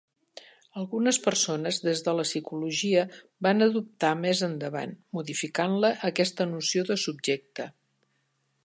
Algunes persones, des de la psicologia, van adoptar més endavant, modificant-la, aquesta noció de subjecte.